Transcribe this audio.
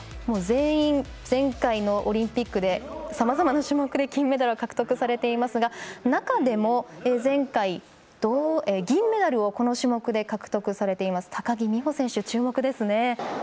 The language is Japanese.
全員、前回のオリンピックでさまざまな種目で金メダルを獲得されていますが中でも、前回銀メダルをこの種目で獲得された高木美帆選手、注目ですね。